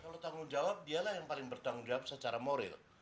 kalau tanggung jawab dialah yang paling bertanggung jawab secara moral